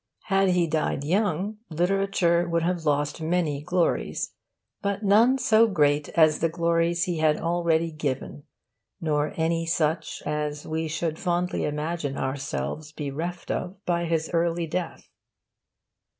Had he died young, literature would have lost many glories; but none so great as the glories he had already given, nor any such as we should fondly imagine ourselves bereft of by his early death.